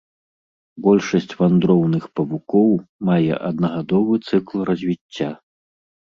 Большасць вандроўных павукоў мае аднагадовы цыкл развіцця.